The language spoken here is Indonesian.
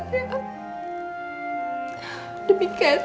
sakit dalam masalah itu tuh